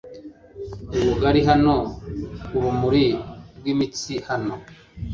ubugari. hano, urumuri rw'imitsi. hano